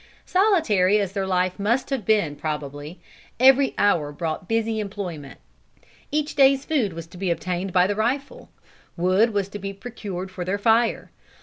Solitary as their life must have been probably, every hour brought busy employment. Each day's food was to be obtained by the rifle. Wood was to be procured for their fire.